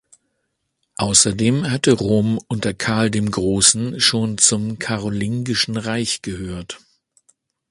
Außerdem hatte Rom unter Karl dem Großen schon zum Karolingischen Reich gehört.